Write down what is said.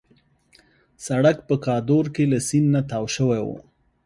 سړک په کادور کې له سیند نه تاو شوی وو.